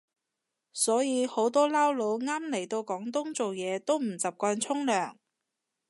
所以好多撈佬啱嚟到廣東做嘢都唔習慣沖涼